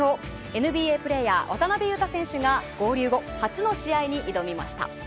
ＮＢＡプレーヤー渡邊雄太選手が合流後、初の試合に挑みました。